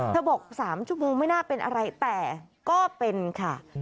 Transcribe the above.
บอก๓ชั่วโมงไม่น่าเป็นอะไรแต่ก็เป็นค่ะ